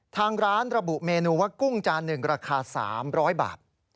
ทางร้านระบุเมนูว่ากุ้งจาน๑ราคา๓๐๐บาท